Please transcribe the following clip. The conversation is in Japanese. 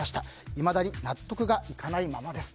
いまだに納得がいかないままです。